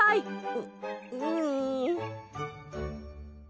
ううん。